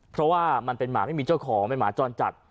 เพราะว่ามันเป็นหมาไม่มีเจ้าของเป็นหมาจรจัด